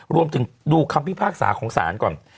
รวมถึงดูคำพิพากษาของศาลก่อน